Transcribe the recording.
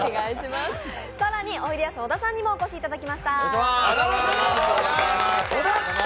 更においでやす小田さんにもお越しいただきました。